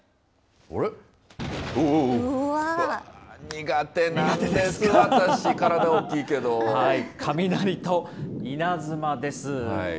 苦手なんです、私、体大きい雷と稲妻です。